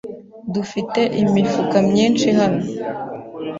Dufite imifuka myinshi hano.